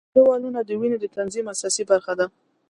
د زړه والونه د وینې د تنظیم اساسي برخه ده.